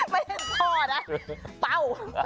ไม่ได้พอนะเป้า